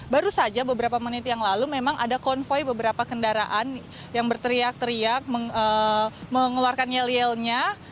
baru saja beberapa menit yang lalu memang ada konvoy beberapa kendaraan yang berteriak teriak mengeluarkan yel yelnya